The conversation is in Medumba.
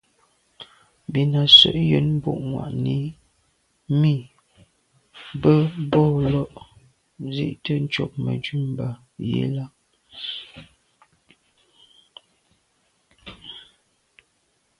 Bìn à’ sə̌’ njən mbu’ŋwà’nǐ mì bə̂ bo lô’ nzi’tə ncob Mə̀dʉ̂mbὰ yi lα.